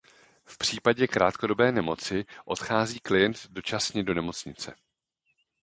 V případě krátkodobé nemoci odchází klient dočasně do nemocnice.